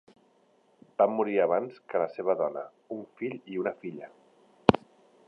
Va morir abans que la seva dona, un fill i una filla.